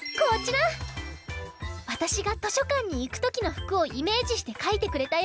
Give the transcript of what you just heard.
わたしがとしょかんにいくときのふくをイメージしてかいてくれたよ。